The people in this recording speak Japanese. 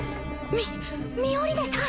ミミオリネさん